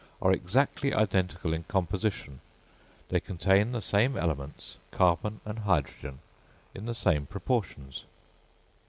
are exactly identical in composition, they contain the same elements, carbon and hydrogen, in the same proportions.